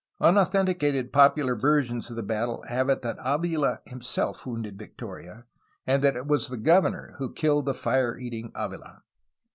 Unauthenticated popular versions of the battle have it that Avila himself wounded Victoria, and that it was the governor who killed the fire eating Avila.